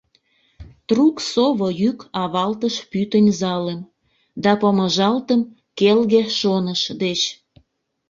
Трук сово йӱк авалтыш пӱтынь залым, Да помыжалтым келге шоныш деч.